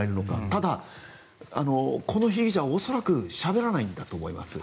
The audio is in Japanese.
ただ、この被疑者、恐らくしゃべらないんだと思います。